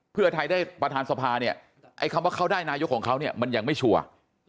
เพื่อไทยได้ประธานสภาเนี่ยไอ้คำว่าเขาได้นายกของเขาเนี่ยมันยังไม่ชัวร์